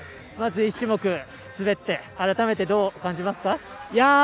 まず１種目、滑って改めてどう感じますか？